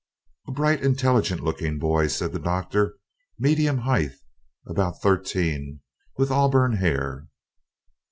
"A bright intelligent looking boy," said the Doctor, "medium height, about thirteen, with auburn hair."